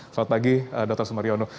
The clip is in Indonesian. selamat pagi dr sumariono